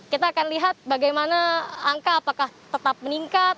kita akan lihat bagaimana angka apakah tetap meningkat